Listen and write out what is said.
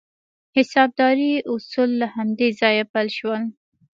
د حسابدارۍ اصول له همدې ځایه پیل شول.